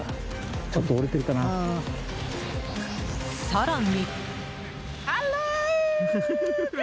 更に。